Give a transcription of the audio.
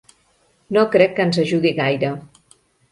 No crec que ens ajudi gaire.